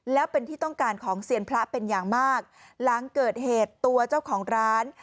แล้วเป็นที่ต้องการของเซียนพระเป็นอย่างมากหลังเกิดเหตุตัวเจ้าของร้าน